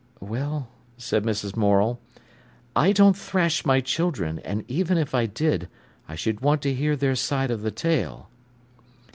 "Well," said Mrs. Morel, "I don't thrash my children, and even if I did, I should want to hear their side of the tale."